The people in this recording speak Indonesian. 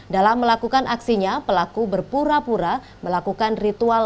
dalam melakukan aksinya pelaku berpura pura melakukan ritual